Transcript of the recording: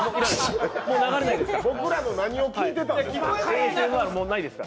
僕らの何を聞いてたんですか。